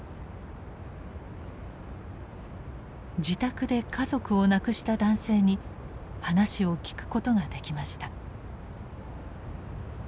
自宅で家族を亡くした男性に話を聞くことができました。